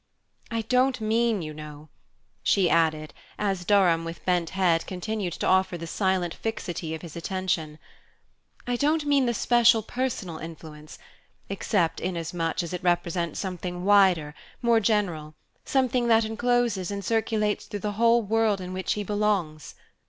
I don't mean, you know," she added, as Durham, with bent head, continued to offer the silent fixity of his attention, "I don't mean the special personal influence except inasmuch as it represents something wider, more general, something that encloses and circulates through the whole world in which he belongs.